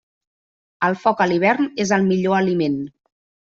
El foc a l'hivern és el millor aliment.